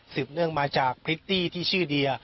เนื่องมาจากพริตตี้ที่ชื่อเดีย